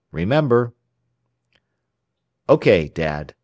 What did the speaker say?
Remember!" "OK, Dad.